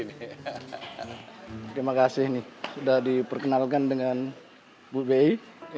terima kasih sudah diperkenalkan dengan bu beyi